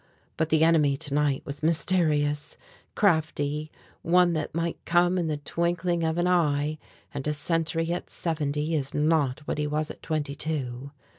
But the enemy to night was mysterious, crafty, one that might come in the twinkling of an eye, and a sentry at seventy is not what he was at twenty two.